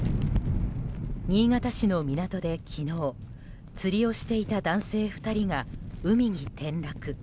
新潟市の港で昨日、釣りをしていた男性２人が海に転落。